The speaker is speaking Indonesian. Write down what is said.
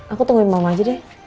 aku tungguin mama aja deh